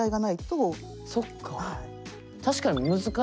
そっか！